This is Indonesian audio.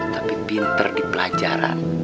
tapi pinter di pelajaran